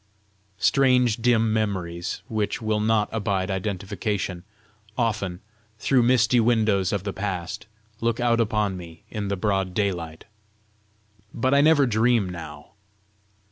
Strange dim memories, which will not abide identification, often, through misty windows of the past, look out upon me in the broad daylight, but I never dream now.